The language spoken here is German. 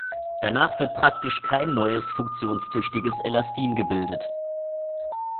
Danach wird praktisch kein neues, funktionstüchtiges Elastin gebildet.